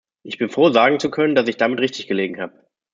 Ich bin froh, sagen zu können, dass ich damit richtig gelegen habe.